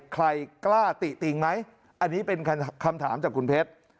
ใครกล้าติติงไหมอันนี้เป็นคำถามจากคุณเพชร